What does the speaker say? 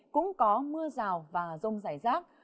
cũng có mưa rào và rông giải rác